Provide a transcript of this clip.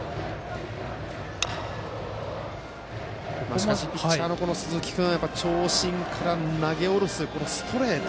しかし、ピッチャーの鈴木君長身から投げ下ろすストレート。